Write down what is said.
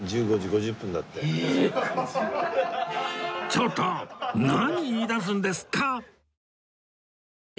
ちょっと何言い出すんですか！？